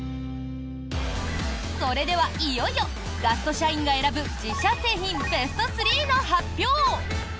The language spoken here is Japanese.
それでは、いよいよガスト社員が選ぶ自社製品ベスト３の発表！